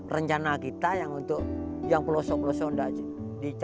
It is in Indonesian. rencana kita yang untuk yang pelosok pelosok